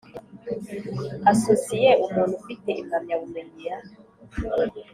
Asosiye umuntu ufite impamyabumenyi ya